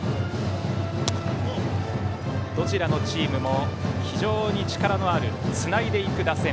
どちらのチームも非常に力のあるつないでいく打線。